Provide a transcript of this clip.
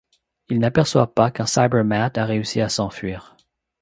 Il n'aperçoit pas qu'un Cybermat a réussi à s'enfuir.